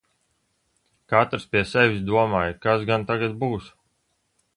Katrs pie sevis domāja kas tagad būs?